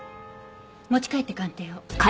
持ち帰って鑑定を。